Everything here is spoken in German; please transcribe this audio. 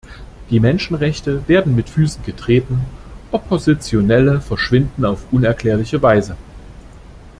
Die Menschenrechte werden mit Füßen getreten, Oppositionelle verschwinden auf unerklärliche Weise.